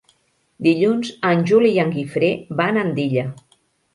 Dilluns en Juli i en Guifré van a Andilla.